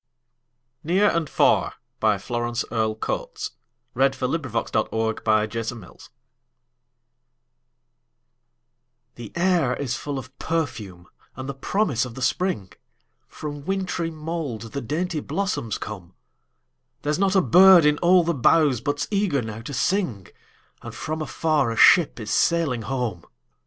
98) — Near and FarFlorence Earle Coates NEAR AND FAR The air is full of perfume and the promise of the spring, From wintry mould the dainty blossoms come; There's not a bird in all the boughs but 's eager now to sing, And from afar a ship is sailing home!